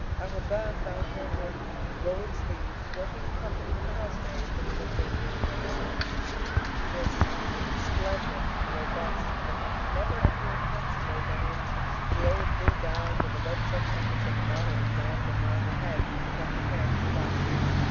Arobin found her with rolled sleeves, working in company with the house maid when he looked in during the afternoon. She was splendid and robust, and had never appeared handsomer than in the old blue gown, with a red silk handkerchief knotted at random around her head to protect her hair from the dust.